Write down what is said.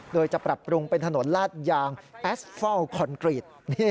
โดยจะปรับปรุงเป็นถนนลาดยางแอสเฟิลคอนกรีต